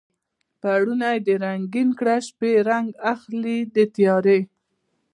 پوړونی دې رنګین کړه شپې رنګ اخلي د تیارې